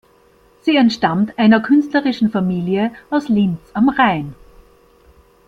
Sie entstammt einer künstlerischen Familie aus Linz am Rhein.